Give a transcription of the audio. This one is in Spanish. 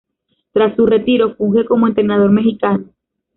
Tras su retiro funge como entrenador mexicano.